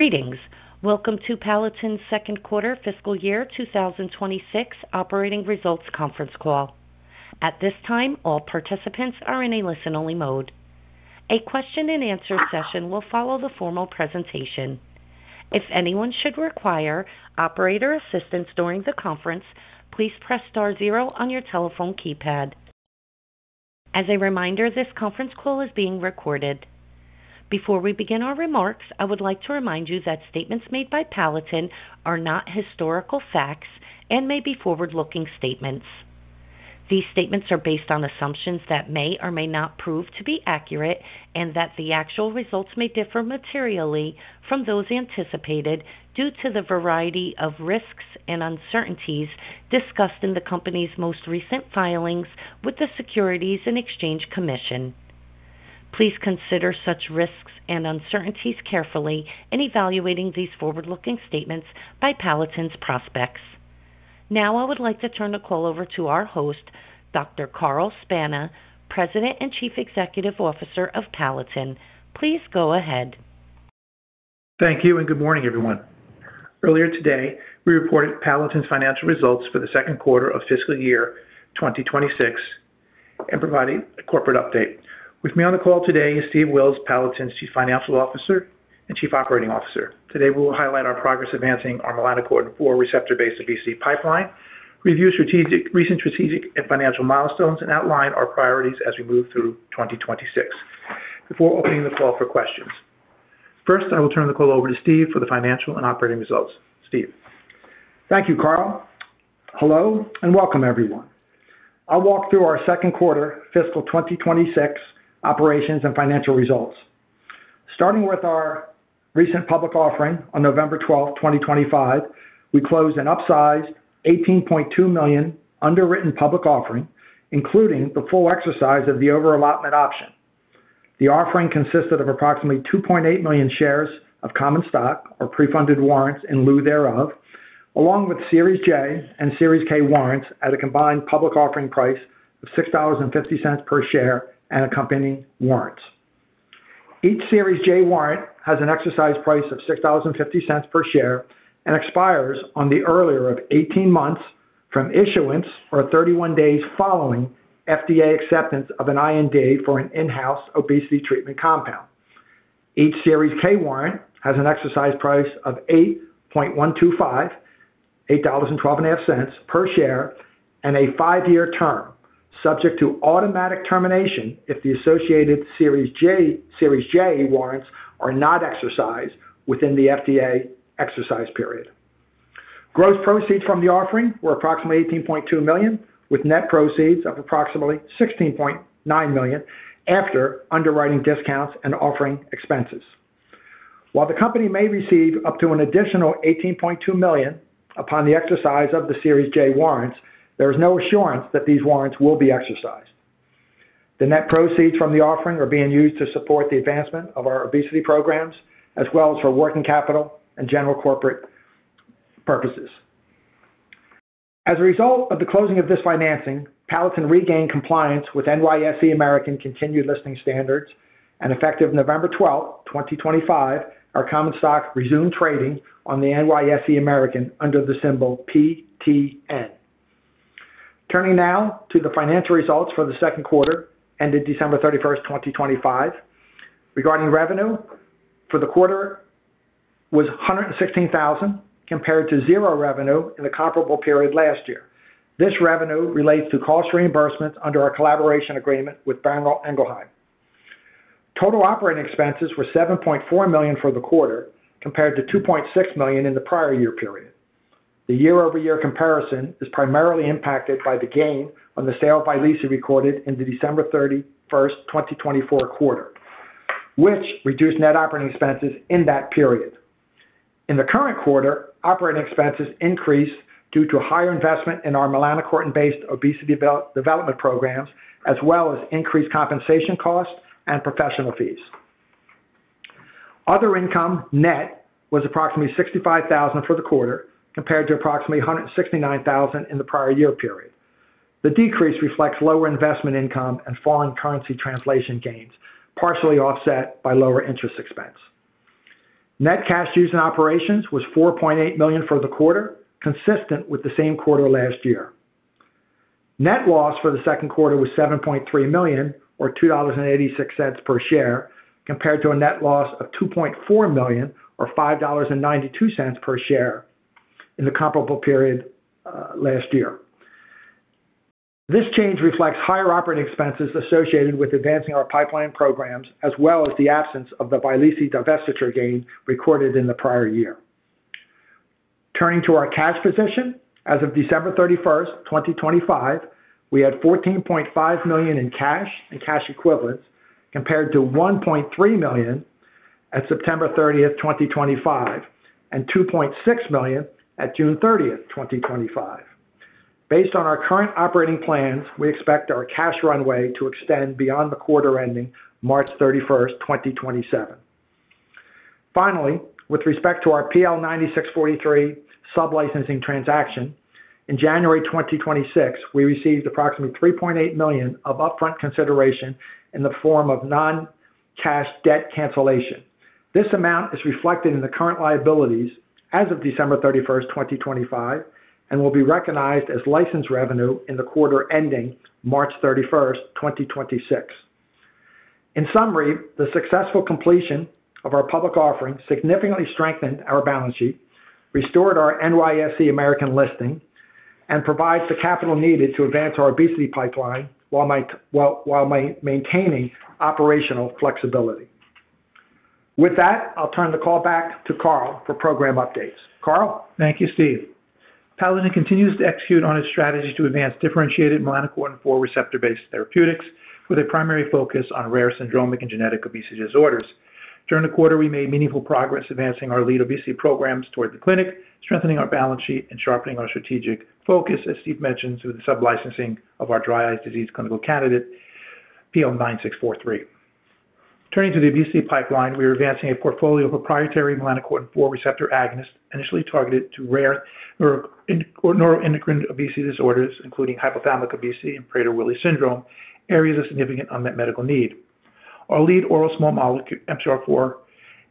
Greetings. Welcome to Palatin's second quarter fiscal year 2026 operating results conference call. At this time, all participants are in a listen-only mode. A question-and-answer session will follow the formal presentation. If anyone should require operator assistance during the conference, please press star zero on your telephone keypad. As a reminder, this conference call is being recorded. Before we begin our remarks, I would like to remind you that statements made by Palatin are not historical facts and may be forward-looking statements. These statements are based on assumptions that may or may not prove to be accurate, and that the actual results may differ materially from those anticipated due to the variety of risks and uncertainties discussed in the company's most recent filings with the Securities and Exchange Commission. Please consider such risks and uncertainties carefully in evaluating these forward-looking statements by Palatin's prospects. Now, I would like to turn the call over to our host, Dr. Carl Spana, President and Chief Executive Officer of Palatin. Please go ahead. Thank you, and good morning, everyone. Earlier today, we reported Palatin's financial results for the second quarter of fiscal year 2026 and providing a corporate update. With me on the call today is Steve Wills, Palatin's Chief Financial Officer and Chief Operating Officer. Today, we'll highlight our progress advancing our melanocortin-4 receptor-based obesity pipeline, review strategic... recent strategic and financial milestones, and outline our priorities as we move through 2026, before opening the call for questions. First, I will turn the call over to Steve for the financial and operating results. Steve? Thank you, Carl. Hello, and welcome, everyone. I'll walk through our second quarter fiscal 2026 operations and financial results. Starting with our recent public offering on November 12, 2025, we closed an upsized $18.2 million underwritten public offering, including the full exercise of the over-allotment option. The offering consisted of approximately 2.8 million shares of common stock or pre-funded warrants in lieu thereof, along with Series J and Series K warrants at a combined public offering price of $6.50 per share and accompanying warrants. Each Series J warrant has an exercise price of $6.50 per share and expires on the earlier of 18 months from issuance or 31 days following FDA acceptance of an IND for an in-house obesity treatment compound. Each Series K warrant has an exercise price of $8.125 per share, and a 5-year term, subject to automatic termination if the associated Series J, Series J warrants are not exercised within the FDA exercise period. Gross proceeds from the offering were approximately $18.2 million, with net proceeds of approximately $16.9 million after underwriting discounts and offering expenses. While the company may receive up to an additional $18.2 million upon the exercise of the Series J warrants, there is no assurance that these warrants will be exercised. The net proceeds from the offering are being used to support the advancement of our obesity programs, as well as for working capital and general corporate purposes. As a result of the closing of this financing, Palatin regained compliance with NYSE American continued listing standards, and effective November 12, 2025, our common stock resumed trading on the NYSE American under the symbol PTN. Turning now to the financial results for the second quarter, ended December 31, 2025. Regarding revenue for the quarter was $116,000, compared to $0 revenue in the comparable period last year. This revenue relates to cost reimbursements under our collaboration agreement with Boehringer Ingelheim. Total operating expenses were $7.4 million for the quarter, compared to $2.6 million in the prior year period. The year-over-year comparison is primarily impacted by the gain on the sale-leaseback recorded in the December 31, 2024 quarter, which reduced net operating expenses in that period. In the current quarter, operating expenses increased due to higher investment in our melanocortin-based obesity development programs, as well as increased compensation costs and professional fees. Other income net was approximately $65,000 for the quarter, compared to approximately $169,000 in the prior year period. The decrease reflects lower investment income and foreign currency translation gains, partially offset by lower interest expense. Net cash use in operations was $4.8 million for the quarter, consistent with the same quarter last year. Net loss for the second quarter was $7.3 million, or $2.86 per share, compared to a net loss of $2.4 million, or $5.92 per share in the comparable period, last year. This change reflects higher operating expenses associated with advancing our pipeline programs, as well as the absence of the Vyleesi divestiture gain recorded in the prior year. Turning to our cash position. As of December 31, 2025, we had $14.5 million in cash and cash equivalents, compared to $1.3 million at September 30, 2025, and $2.6 million at June 30, 2025. Based on our current operating plans, we expect our cash runway to extend beyond the quarter ending March 31, 2027. Finally, with respect to our PL9643 sublicensing transaction, in January 2026, we received approximately $3.8 million of upfront consideration in the form of non-cash debt cancellation. This amount is reflected in the current liabilities as of December 31, 2025, and will be recognized as licensed revenue in the quarter ending March 31, 2026. In summary, the successful completion of our public offering significantly strengthened our balance sheet, restored our NYSE American listing, and provides the capital needed to advance our obesity pipeline, while maintaining operational flexibility. With that, I'll turn the call back to Carl for program updates. Carl? Thank you, Steve. Palatin continues to execute on its strategy to advance differentiated melanocortin-4 receptor-based therapeutics, with a primary focus on rare syndromic and genetic obesity disorders. During the quarter, we made meaningful progress advancing our lead obesity programs toward the clinic, strengthening our balance sheet and sharpening our strategic focus, as Steve mentioned, through the sub-licensing of our dry eye disease clinical candidate, PL9643. Turning to the obesity pipeline, we are advancing a portfolio of proprietary melanocortin-4 receptor agonists, initially targeted to rare neuroendocrine obesity disorders, including hypothalamic obesity and Prader-Willi syndrome, areas of significant unmet medical need. Our lead oral small molecule MC4R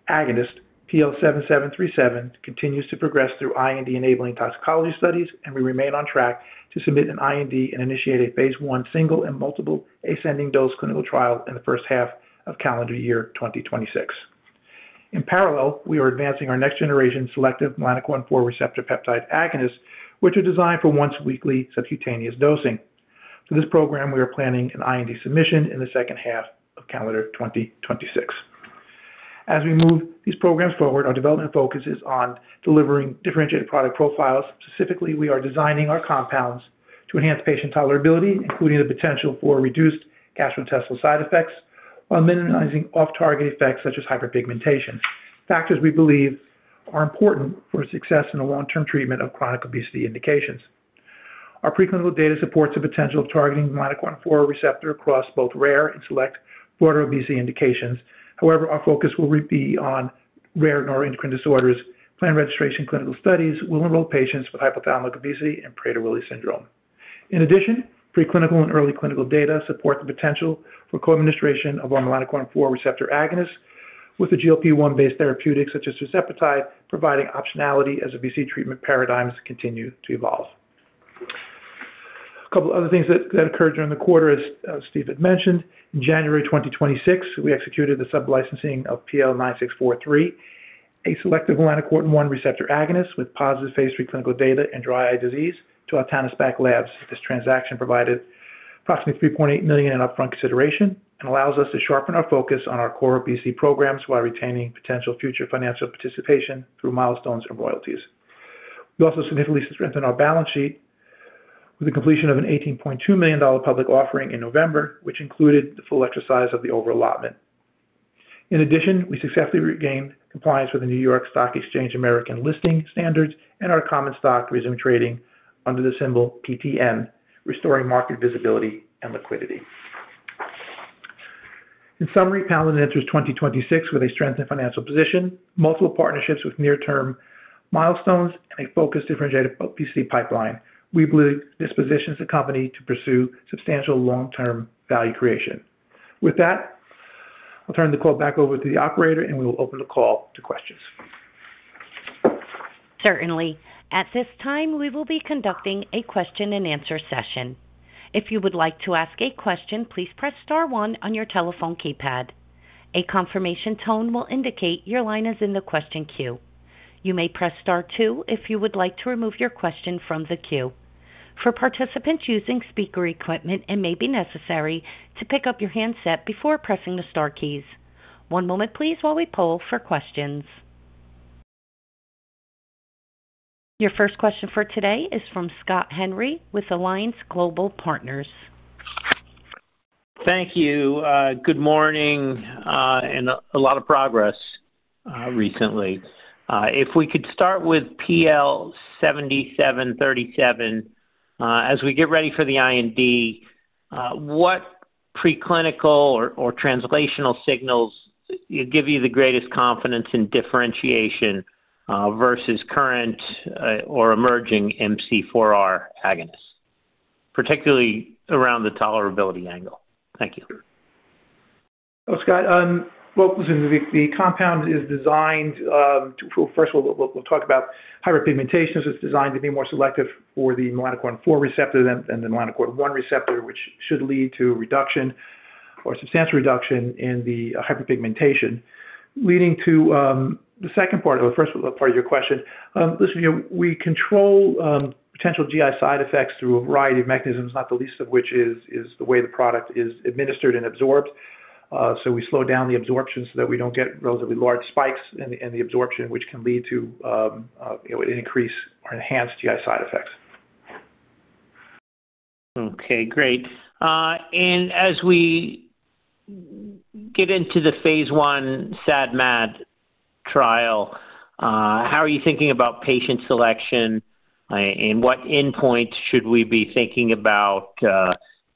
agonist, PL7737, continues to progress through IND-enabling toxicology studies, and we remain on track to submit an IND and initiate a phase 1 single and multiple ascending dose clinical trial in the first half of calendar year 2026. In parallel, we are advancing our next generation selective melanocortin-4 receptor peptide agonists, which are designed for once-weekly subcutaneous dosing. For this program, we are planning an IND submission in the second half of calendar 2026. As we move these programs forward, our development focus is on delivering differentiated product profiles. Specifically, we are designing our compounds to enhance patient tolerability, including the potential for reduced gastrointestinal side effects, while minimizing off-target effects such as hyperpigmentation. Factors we believe are important for success in the long-term treatment of chronic obesity indications. Our preclinical data supports the potential of targeting melanocortin-4 receptor across both rare and select broader obesity indications. However, our focus will be on rare neuroendocrine disorders. Planned registration clinical studies will enroll patients with hypothalamic obesity and Prader-Willi syndrome. In addition, preclinical and early clinical data support the potential for co-administration of our melanocortin-4 receptor agonist with a GLP-1 based therapeutic, such as tirzepatide, providing optionality as obesity treatment paradigms continue to evolve. A couple other things that occurred during the quarter, as Steve had mentioned. In January 2026, we executed the sub-licensing of PL-9643, a selective melanocortin-1 receptor agonist with positive phase 3 clinical data and dry eye disease to Altanispac Labs. This transaction provided approximately $3.8 million in upfront consideration and allows us to sharpen our focus on our core obesity programs while retaining potential future financial participation through milestones and royalties. We also significantly strengthened our balance sheet with the completion of a $18.2 million public offering in November, which included the full exercise of the overallotment. In addition, we successfully regained compliance with the NYSE American Listing Standards, and our common stock resumed trading under the symbol PTN, restoring market visibility and liquidity. In summary, Palatin enters 2026 with a strengthened financial position, multiple partnerships with near-term milestones, and a focused, differentiated OPC pipeline. We believe this positions the company to pursue substantial long-term value creation. With that, I'll turn the call back over to the operator, and we will open the call to questions. Certainly. At this time, we will be conducting a question and answer session. If you would like to ask a question, please press star one on your telephone keypad. A confirmation tone will indicate your line is in the question queue. You may press star two if you would like to remove your question from the queue. For participants using speaker equipment, it may be necessary to pick up your handset before pressing the star keys. One moment please, while we poll for questions. Your first question for today is from Scott Henry, with Alliance Global Partners. Thank you. Good morning, and a lot of progress recently. If we could start with PL7737. As we get ready for the IND, what preclinical or translational signals give you the greatest confidence in differentiation versus current or emerging MC4R agonists, particularly around the tolerability angle? Thank you. Well, Scott, well, the compound is designed. Well, first of all, we'll talk about hyperpigmentation, as it's designed to be more selective for the melanocortin-4 receptor than the melanocortin-1 receptor, which should lead to a reduction or substantial reduction in the hyperpigmentation. Leading to the second part of the first part of your question. Listen, you know, we control potential GI side effects through a variety of mechanisms, not the least of which is the way the product is administered and absorbed. So we slow down the absorption so that we don't get relatively large spikes in the absorption, which can lead to increase or enhanced GI side effects. Okay, great. And as we get into the phase one SAD/MAD trial, how are you thinking about patient selection? And what endpoint should we be thinking about,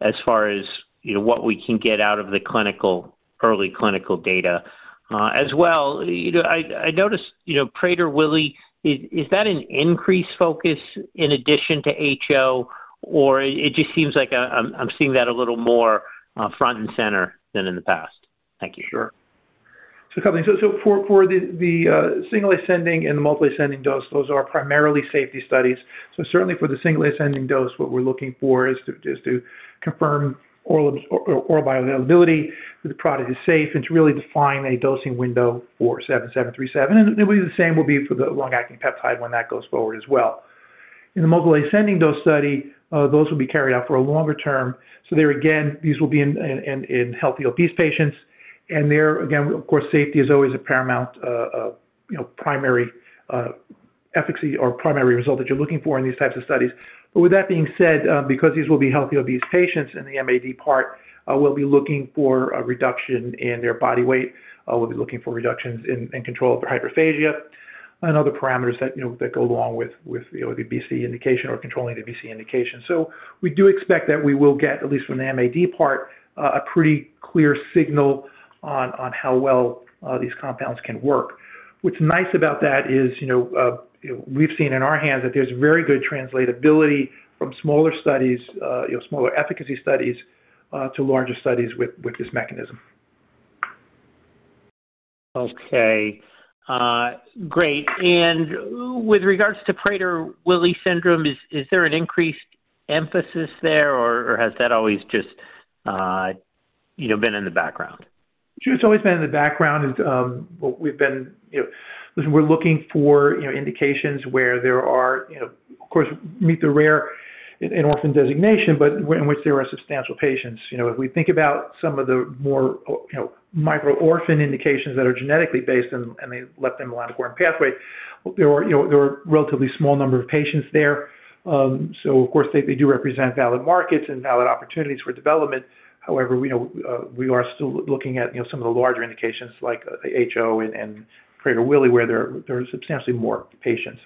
as far as, you know, what we can get out of the clinical, early clinical data? As well, you know, I, I noticed, you know, Prader-Willi, is, is that an increased focus in addition to HO, or it just seems like I'm, I'm seeing that a little more, front and center than in the past? Thank you. So for the single ascending and the multiple-ascending dose, those are primarily safety studies. So certainly for the single ascending dose, what we're looking for is to confirm oral absorption or bioavailability, that the product is safe, and to really define a dosing window for PL7737. And it will be the same for the long-acting peptide when that goes forward as well. In the multiple-ascending dose study, those will be carried out for a longer term. So there again, these will be in healthy obese patients. And there, again, of course, safety is always a paramount, you know, primary efficacy or primary result that you're looking for in these types of studies. But with that being said, because these will be healthy obese patients in the MAD part, we'll be looking for a reduction in their body weight. We'll be looking for reductions in control of hyperphagia and other parameters that, you know, that go along with the obesity indication or controlling the obesity indication. So we do expect that we will get, at least from the MAD part, a pretty clear signal on how well these compounds can work. What's nice about that is, you know, you know, we've seen in our hands that there's very good translatability from smaller studies, you know, smaller efficacy studies, to larger studies with this mechanism. Okay. Great. And with regards to Prader-Willi syndrome, is there an increased emphasis there, or has that always just, you know, been in the background? It's always been in the background, and, but we've been, you know-- we're looking for, you know, indications where there are, you know, of course, meet the rare in, in orphan designation, but in which there are substantial patients. You know, if we think about some of the more, you know, micro-orphan indications that are genetically based and, and they let them out of pathway, there are, you know, there are relatively small number of patients there. So of course, they do represent valid markets and valid opportunities for development. However, we know, we are still looking at, you know, some of the larger indications like HO and Prader-Willi, where there are substantially more patients.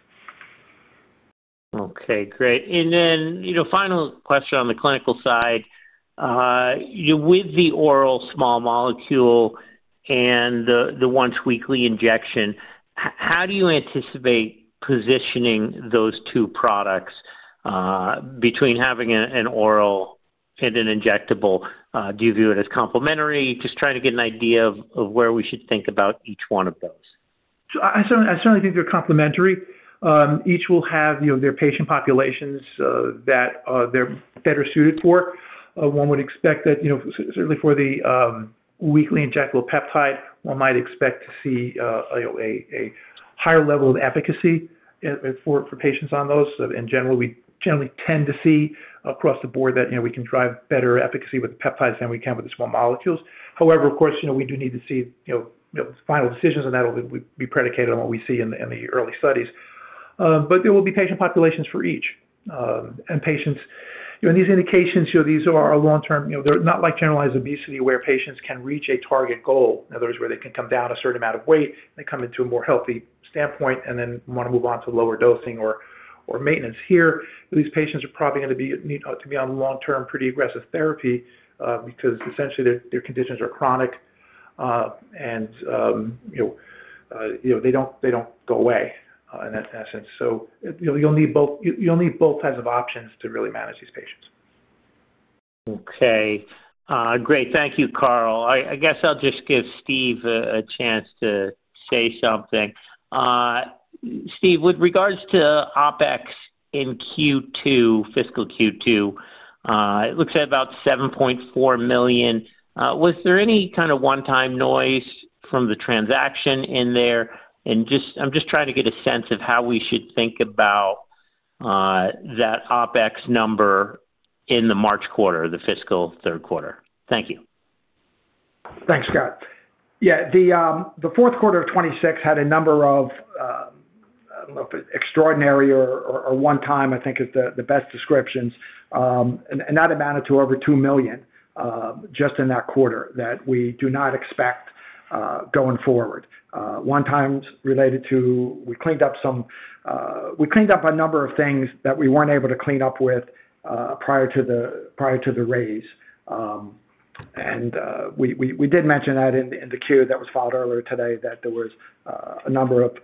Okay, great. And then, you know, final question on the clinical side. With the oral small molecule and the once weekly injection, how do you anticipate positioning those two products between having an oral and an injectable? Do you view it as complementary? Just trying to get an idea of where we should think about each one of those. I certainly think they're complementary. Each will have, you know, their patient populations that they're better suited for. One would expect that, you know, certainly for the weekly injectable peptide, one might expect to see, you know, a higher level of efficacy for patients on those. In general, we generally tend to see across the board that, you know, we can drive better efficacy with peptides than we can with the small molecules. However, of course, you know, we do need to see, you know, final decisions, and that'll be predicated on what we see in the early studies. But there will be patient populations for each. Patients, you know, in these indications, you know, these are long-term, you know, they're not like generalized obesity, where patients can reach a target goal. In other words, where they can come down a certain amount of weight, they come into a more healthy standpoint and then want to move on to lower dosing or, or maintenance. Here, these patients are probably going to be, need to be on long-term, pretty aggressive therapy, because essentially, their, their conditions are chronic. You know, they don't, they don't go away, in that sense. So you know, you'll need both, you'll need both types of options to really manage these patients. Okay. Great. Thank you, Carl. I guess I'll just give Steve a chance to say something. Steve, with regards to OpEx in Q2, fiscal Q2, it looks at about $7.4 million. Was there any kind of one-time noise from the transaction in there? And just, I'm just trying to get a sense of how we should think about that OpEx number in the March quarter, the fiscal third quarter. Thank you. Thanks, Scott. Yeah, the fourth quarter of 2026 had a number of extraordinary or one-time, I think is the best descriptions, and that amounted to over $2 million just in that quarter that we do not expect going forward. One time related to we cleaned up some, we cleaned up a number of things that we weren't able to clean up with prior to the raise. And we did mention that in the Q that was filed earlier today, that there was a number of,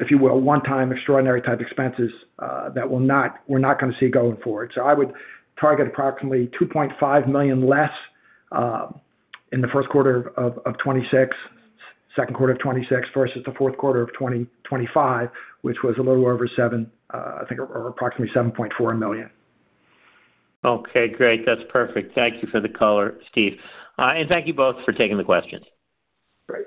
if you will, one-time extraordinary type expenses that we're not going to see going forward. I would target approximately $2.5 million less in the first quarter of 2026, second quarter of 2025, versus the fourth quarter of 2025, which was a little over seven, I think, or approximately $7.4 million. Okay, great. That's perfect. Thank you for the color, Steve. And thank you both for taking the questions. Great.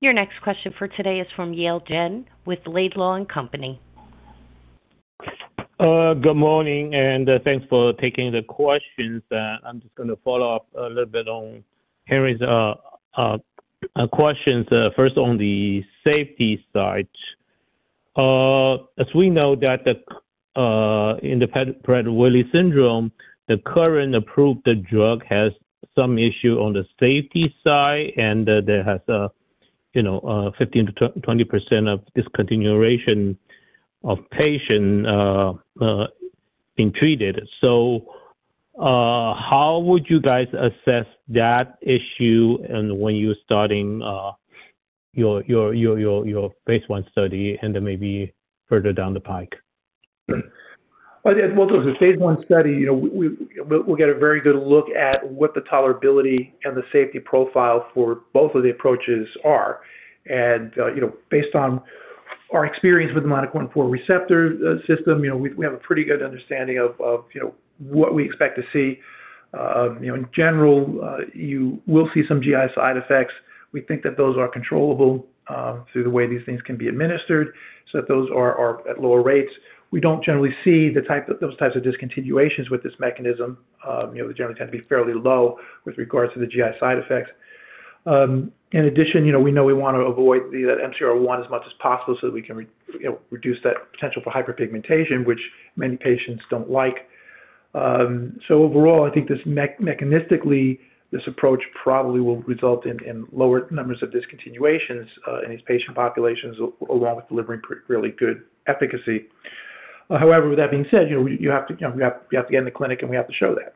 Your next question for today is from Yale Jen with the Laidlaw & Company. Good morning, and thanks for taking the questions. I'm just gonna follow up a little bit on Harry's questions. First, on the safety side. As we know that in the Prader-Willi syndrome, the current approved drug has some issue on the safety side, and there has a, you know, 15%-20% of discontinuation of patient being treated. So, how would you guys assess that issue and when you're starting your phase I study and then maybe further down the pike? Well, there's a phase I study, you know, we will get a very good look at what the tolerability and the safety profile for both of the approaches are. And, you know, based on our experience with the melanocortin-4 receptor system, you know, we have a pretty good understanding of what we expect to see. You know, in general, you will see some GI side effects. We think that those are controllable through the way these things can be administered, so that those are at lower rates. We don't generally see the type of those types of discontinuations with this mechanism. You know, they generally tend to be fairly low with regards to the GI side effects. In addition, you know, we know we wanna avoid the MCR one as much as possible so that we can, you know, reduce that potential for hyperpigmentation, which many patients don't like. So overall, I think this mechanistically, this approach probably will result in lower numbers of discontinuations in these patient populations, along with delivering pretty really good efficacy. However, with that being said, you know, you have to get in the clinic and we have to show that.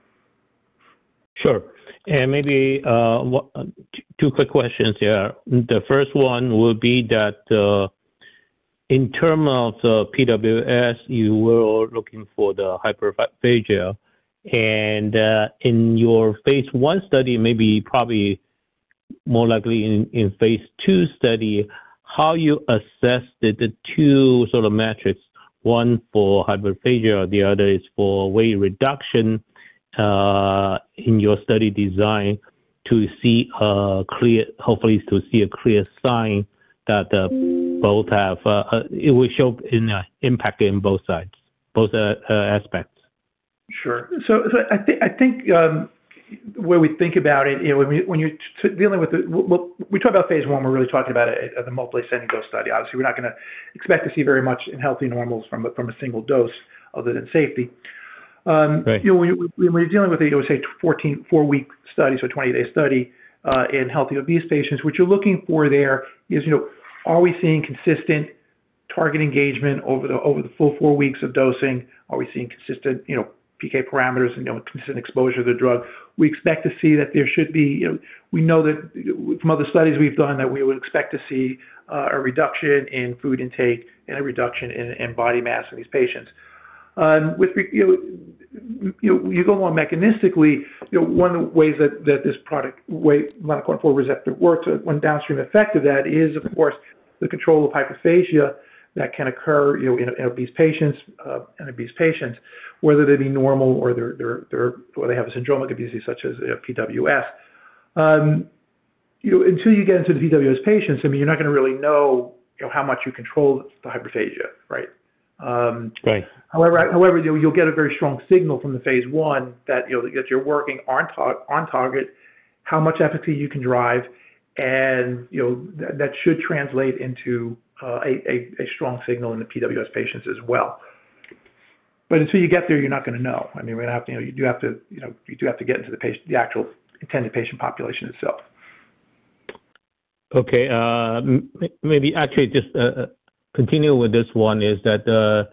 Sure. And maybe, Two quick questions here. The first one will be that, in terms of the PWS, you were looking for the hyperphagia, and, in your phase I study, maybe probably more likely in phase II study, how you assess the two sort of metrics, one for hyperphagia, or the other is for weight reduction, in your study design, to see a clear, hopefully to see a clear sign that, both have, it will show an impact in both sides, both aspects. Sure. So I think the way we think about it, you know, when you're dealing with phase I, we're really talking about the multi single study. Obviously, we're not gonna expect to see very much in healthy normals from a single dose other than safety. Right. You know, when we're dealing with a, say, 14 4-week study, so a 20-day study, in healthy obese patients, what you're looking for there is, you know, are we seeing consistent target engagement over the full 4 weeks of dosing? Are we seeing consistent, you know, PK parameters and, you know, consistent exposure to the drug? We expect to see that there should be, you know, we know that from other studies we've done, that we would expect to see a reduction in food intake and a reduction in body mass in these patients. With you go more mechanistically, you know, one way that this product, the melanocortin-4 receptor works, one downstream effect of that is, of course, the control of hyperphagia that can occur, you know, in obese patients, and obese patients, whether they be normal or they have a syndromic obesity, such as PWS. You know, until you get into the PWS patients, I mean, you're not going to really know, you know, how much you control the hyperphagia, right? Right. However, you'll get a very strong signal from the phase I that, you know, that you're working on target, how much efficacy you can drive, and, you know, that should translate into a strong signal in the PWS patients as well. But until you get there, you're not gonna know. I mean, we're gonna have to, you know, you do have to, you know, you do have to get into the patient, the actual intended patient population itself. Okay, maybe actually just continue with this one, is that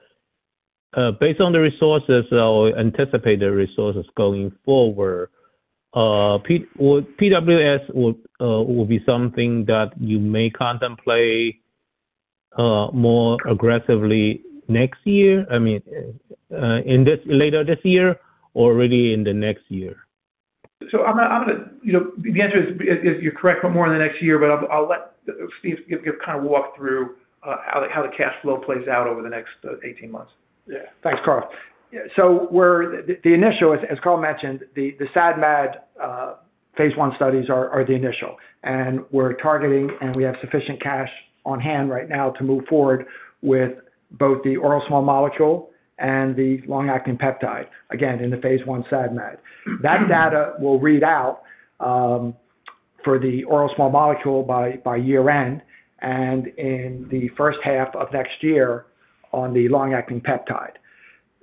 based on the resources or anticipated resources going forward, PWS will be something that you may contemplate more aggressively next year? I mean, later this year or really in the next year. So I'm gonna, you know, the answer is you're correct for more in the next year, but I'll let Steve kind of walk through how the cash flow plays out over the next 18 months. Yeah. Thanks, Carl. So the initial, as Carl mentioned, the SAD and MAD phase I studies are the initial, and we're targeting, and we have sufficient cash on hand right now to move forward with both the oral small molecule and the long-acting peptide, again, in the phase I SAD and MAD. That data will read out for the oral small molecule by year-end, and in the first half of next year on the long-acting peptide.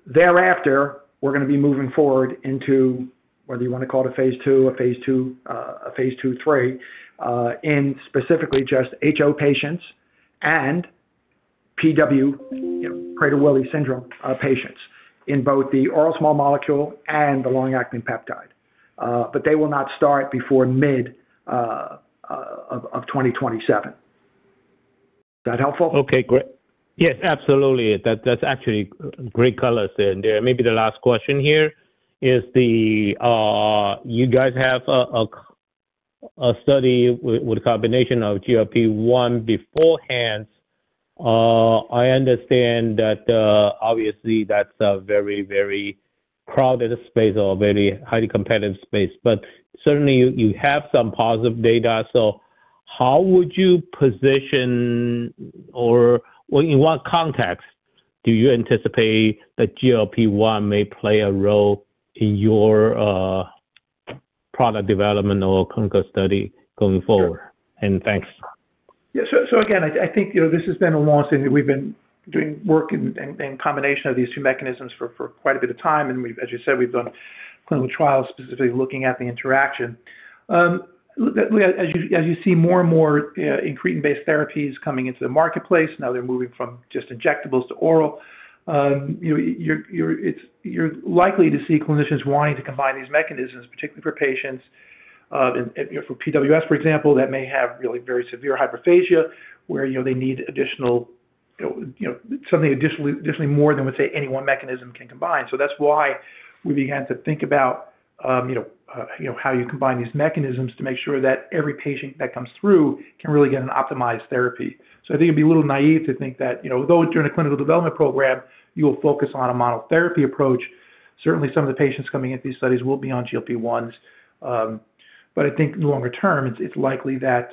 Thereafter, we're gonna be moving forward into whether you wanna call it a phase II, a phase II, a phase II/III, in specifically just HO patients and PW, you know, Prader-Willi syndrome, patients, in both the oral small molecule and the long-acting peptide. But they will not start before mid-2027. Is that helpful? Okay, great. Yes, absolutely. That, that's actually great callers in there. Maybe the last question here is you guys have a study with a combination of GLP-1 beforehand. I understand that obviously that's a very, very crowded space or very highly competitive space, but certainly you have some positive data. So how would you position or in what context do you anticipate that GLP-1 may play a role in your product development or clinical study going forward? Sure. And thanks. Yeah, so again, I think, you know, this has been a long thing. We've been doing work in combination of these two mechanisms for quite a bit of time, and we've, as you said, we've done clinical trials specifically looking at the interaction. As you see more and more incretin-based therapies coming into the marketplace, now they're moving from just injectables to oral, you know, you're likely to see clinicians wanting to combine these mechanisms, particularly for patients, you know, for PWS, for example, that may have really very severe hyperphagia, where, you know, they need additional something additionally more than, let's say, any one mechanism can combine. So that's why we began to think about, you know, you know, how you combine these mechanisms to make sure that every patient that comes through can really get an optimized therapy. So I think it'd be a little naive to think that, you know, though during a clinical development program, you will focus on a monotherapy approach. Certainly, some of the patients coming into these studies will be on GLP-1s, but I think longer term, it's, it's likely that,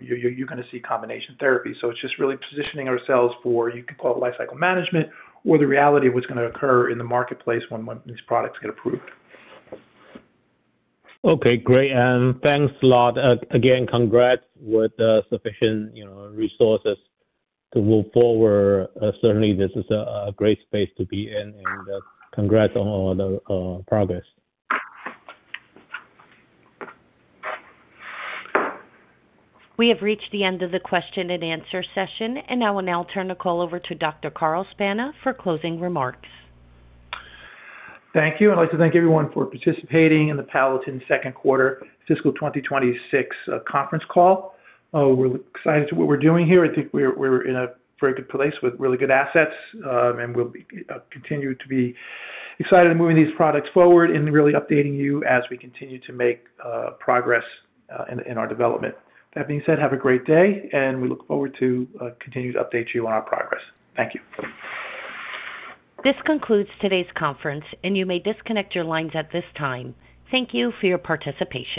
you, you're gonna see combination therapy. So it's just really positioning ourselves for, you could call it lifecycle management or the reality of what's gonna occur in the marketplace when, when these products get approved. Okay, great. And thanks a lot. Again, congrats with sufficient, you know, resources to move forward. Certainly, this is a great space to be in, and congrats on all the progress. We have reached the end of the question and answer session, and I will now turn the call over to Dr. Carl Spana for closing remarks. Thank you. I'd like to thank everyone for participating in the Palatin second-quarter fiscal 2026 conference call. We're excited to what we're doing here. I think we're, we're in a very good place with really good assets, and we'll be, continue to be excited in moving these products forward and really updating you as we continue to make, progress, in, in our development. That being said, have a great day, and we look forward to, continue to update you on our progress. Thank you. This concludes today's conference, and you may disconnect your lines at this time. Thank you for your participation.